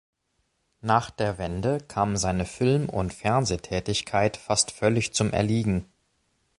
Nach der Wende kam seine Film- und Fernsehtätigkeit fast völlig zum Erliegen.